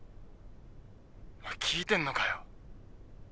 聞いてんのかよ？